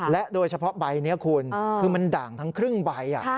และโดยเฉพาะใบนี้คุณคือมันด่างทั้งครึ่งใบ